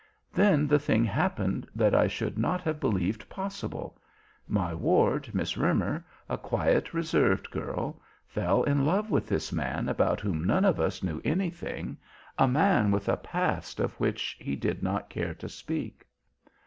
Then the thing happened that I should not have believed possible. My ward, Miss Roemer, a quiet, reserved girl, fell in love with this man about whom none of us knew anything, a man with a past of which he did not care to speak.